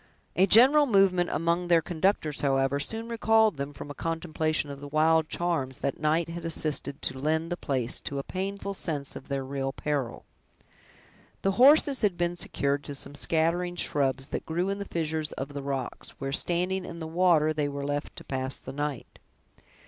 A general movement among their conductors, however, soon recalled them from a contemplation of the wild charms that night had assisted to lend the place to a painful sense of their real peril. The horses had been secured to some scattering shrubs that grew in the fissures of the rocks, where, standing in the water, they were left to pass the night.